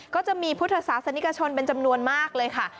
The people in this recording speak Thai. ก็จะมีพุทธศาสนิกชนเป็นจำนวนมากเลยค่ะ